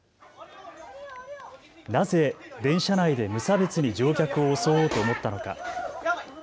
なぜ電車内で無差別に乗客を襲おうと思ったのか。